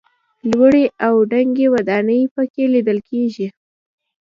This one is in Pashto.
لوړې او دنګې ودانۍ په کې لیدل کېږي.